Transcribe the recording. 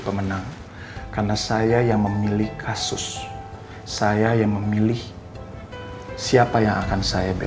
pemenang karena saya yang memilih kasus saya yang memilih siapa yang akan saya pilih